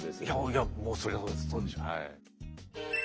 いやもうそりゃそうでしょう。